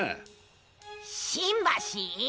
しんばし？